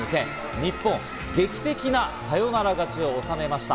日本が劇的なサヨナラ勝ちを収めました。